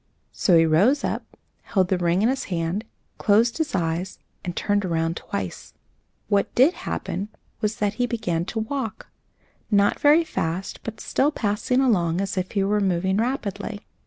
So he rose up, held the ring in his hand, closed his eyes, and turned around twice. What did happen was that he began to walk, not very fast, but still passing along as if he were moving rapidly.